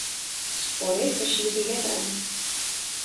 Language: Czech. Spory se šíří větrem.